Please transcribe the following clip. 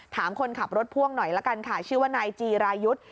คนขับรถพ่วงหน่อยละกันค่ะชื่อว่านายจีรายุทธ์